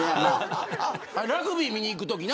ラグビー見に行くときな。